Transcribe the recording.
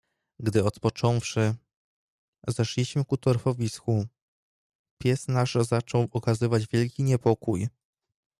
"Gdy odpocząwszy, zeszliśmy ku torfowisku, pies nasz zaczął okazywać wielki niepokój."